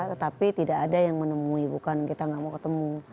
tetapi tidak ada yang menemui bukan kita nggak mau ketemu